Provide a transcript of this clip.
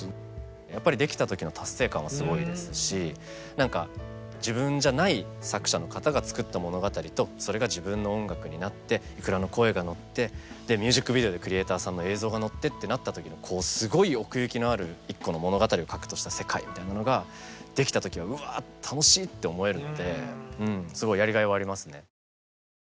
やっぱりできた時の達成感はすごいですし何か自分じゃない作者の方が作った物語とそれが自分の音楽になってｉｋｕｒａの声が乗ってミュージックビデオでクリエーターさんの映像が乗ってってなった時すごい奥行きのある一個の物語を核とした世界みたいなのができた時はうわ楽しい！って思えるのですごいやりがいはありますね。